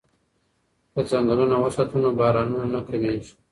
که ځنګلونه وساتو نو بارانونه نه کمیږي.